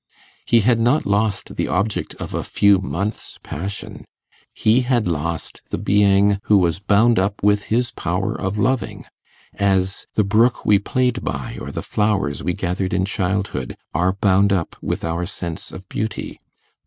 He had not lost the object of a few months' passion; he had lost the being who was bound up with his power of loving, as the brook we played by or the flowers we gathered in childhood are bound up with our sense of beauty.